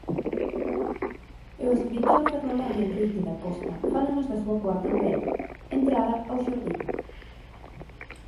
E o escritor ferrolán Henrique Dacosta fálanos da súa cuarta novela, 'Entrada ao Xardín'.